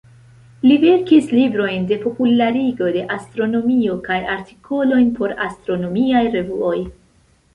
Li verkis librojn de popularigo de astronomio kaj artikolojn por astronomiaj revuoj.